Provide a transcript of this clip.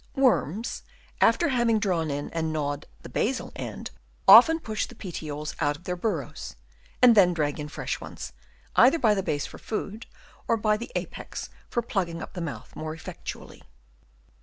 Worms, after having drawn in and gnawed the basal end, often push the petioles out of their burrows ; and then drag in fresh ones, either by the base for food, or by the apex for plug ging up the mouth more effectually.